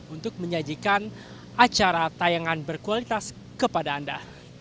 untuk menyajikan acara tayangan berkualitas kepada anda